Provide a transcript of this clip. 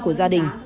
của gia đình